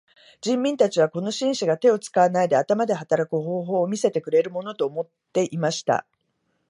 人民たちはこの紳士が手を使わないで頭で働く方法を見せてくれるものと思っていました。